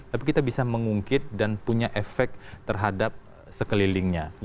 tapi kita bisa mengungkit dan punya efek terhadap sekelilingnya